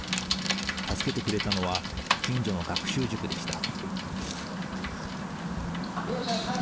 助けてくれたのは近所の学習塾でした。